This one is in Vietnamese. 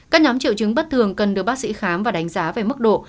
các nhóm triệu chứng bất thường cần được bác sĩ khám và đánh giá về mức độ